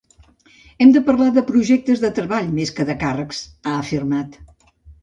Hem de parlar de projectes de treball més que de càrrecs, ha afirmat.